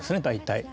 大体。